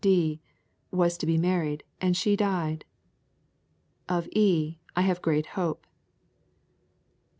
D. was to be married, and she died. Of E. I have great hope.